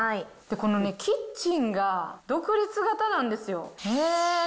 このキッチンが独立型なんですよ。